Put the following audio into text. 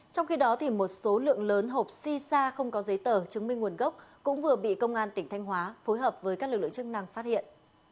trong khi đó một số lượng lớn hộp si sa không có giấy tờ chứng minh nguồn gốc cũng vừa bị công an tỉnh thanh hóa phối hợp với các lực lượng chức năng phát hiện